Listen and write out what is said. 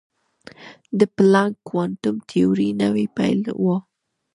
د پلانک کوانټم تیوري نوې پیل وه.